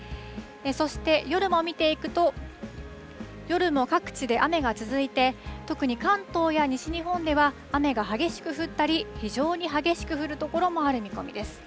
そして夜も見ていくと、夜も各地で雨が続いて、特に関東や西日本では、雨が激しく降ったり、非常に激しく降る所もある見込みです。